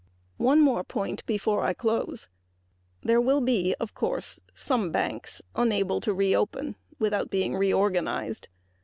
One more point before I close. There will be, of course, some banks unable to reopen without being reorganized.